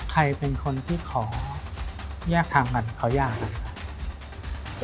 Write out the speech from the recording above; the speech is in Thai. ใครเป็นคนที่ขอแยกทางกันขอยากกันคะ